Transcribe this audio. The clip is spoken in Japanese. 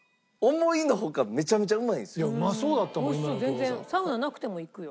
全然サウナなくても行くよ。